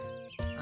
あ。